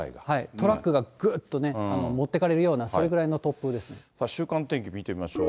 トラックがぐっとね、持ってかれるようなそのぐらいの突風で週間天気見てみましょう。